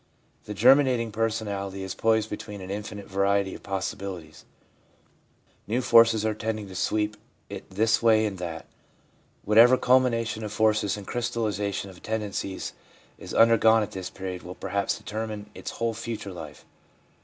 The germinating per sonality is poised between an infinite variety of possi bilities ; new forces are tending to sweep it in this way and that; whatever culmination offerees and crystallisa tion of tendencies is undergone at this period will perhaps determine its whole future life.